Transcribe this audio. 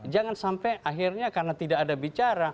jangan sampai akhirnya karena tidak ada bicara